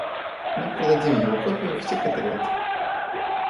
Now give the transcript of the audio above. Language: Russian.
Мы передадим его копию в секретариат.